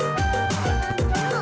gue gak mau kelawan